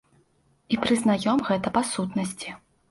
І прызнаём гэта па сутнасці.